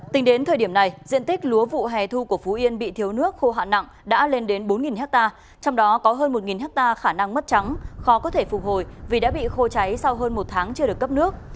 tính đến thời điểm này diện tích lúa vụ hè thu của phú yên bị thiếu nước khô hạn nặng đã lên đến bốn hectare trong đó có hơn một hectare khả năng mất trắng khó có thể phục hồi vì đã bị khô cháy sau hơn một tháng chưa được cấp nước